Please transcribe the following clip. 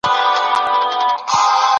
بې ځایه فکرونه نه کېږي.